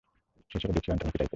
সে ছিল দুঃখী, অন্তর্মুখী টাইপের।